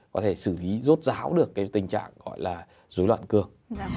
có thể xử lý rốt ráo được cái tình trạng gọi là rối loạn cường